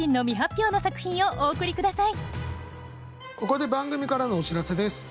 ここで番組からのお知らせです。